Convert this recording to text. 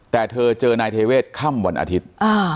แต่เธอเจอนายเทเวศค่ำวันอาทิตย์